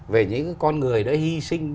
về những con người đã hy sinh